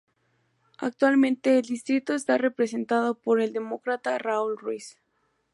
Actualmente el distrito está representado por el Demócrata Raul Ruiz.